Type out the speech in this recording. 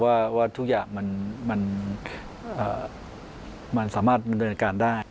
ว่าทุกอย่างมันสามารถดำเนินการได้